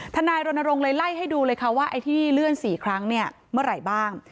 ทนายรณรงค์เลยไล่ให้ดูเลยค่ะว่าไอ้ที่เลื่อน๔ครั้งเนี่ยเมื่อไหร่บ้าง